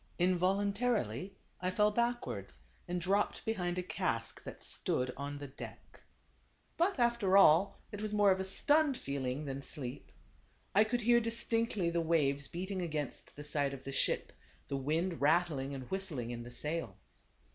Involuntarily I fell backwards, and dropped be hind a cask that stood on the deck. But, after all, it was more of a stunned feeling than sleep. I could hear distinctly the waves beating against the side of the ship, the wind rattling and whist ling in the sails.